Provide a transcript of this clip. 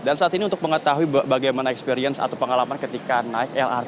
dan saat ini untuk mengetahui bagaimana pengalaman ketika naik lrt